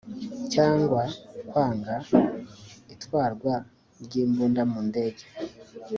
cyangwa kwanga itwarwa ry imbunda mu ndege